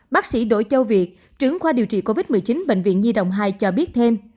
bác sĩ đỗ châu việt trưởng khoa điều trị covid một mươi chín bệnh viện nhi đồng hai cho biết thêm